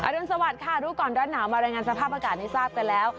อรุณสวัสดีค่ะรูปกรณ์ร้านหนาวมารัยงานสภาพอากาศที่ทราบได้แล้ว